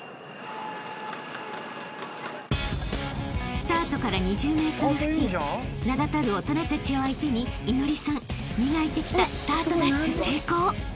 ［スタートから２０ｍ付近名だたる大人たちを相手に祈愛さん磨いてきたスタートダッシュ成功］